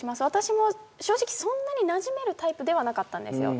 私も正直そんなに、なじめるタイプではなかったんです。